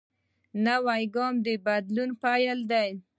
نوی ګام د بدلون پیل دی